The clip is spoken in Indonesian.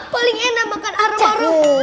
paling enak makan arom arom